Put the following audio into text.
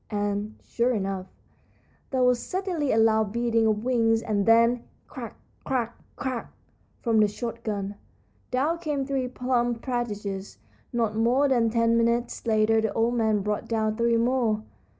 And, sure enough, there was suddenly a loud beating of wings, and then, crack! crack! crack! from the shot gun. Down came three plump partridges. Not more than ten minutes later the old man brought down three more.